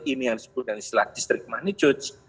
ini yang disebutkan istilah distrik magnitude